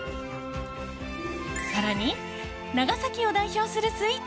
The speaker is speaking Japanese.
更に、長崎を代表するスイーツ！